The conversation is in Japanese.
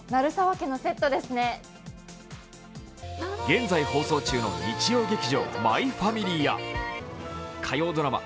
現在放送中の日曜劇場「マイファミリー」や火曜ドラマ